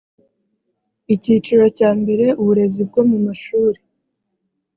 icyiciro cya mbere uburezi bwo mu mashuri